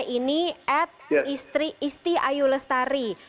ini at istri isti ayu lestari